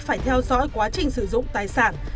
phải theo dõi quá trình sử dụng tài sản